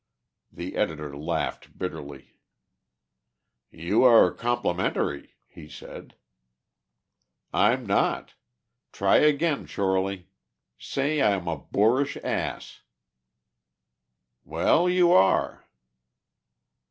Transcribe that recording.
The editor laughed bitterly. "You are complimentary," he said. "I'm not. Try again, Shorely. Say I'm a boorish ass." "Well, you are."